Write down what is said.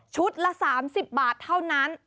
ละ๓๐บาทเท่านั้น